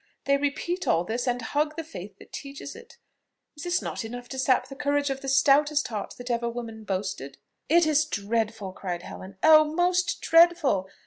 They repeat all this, and hug the faith that teaches it. Is not this enough to sap the courage of the stoutest heart that ever woman boasted?" "It is dreadful!" cried Helen; "oh! most dreadful!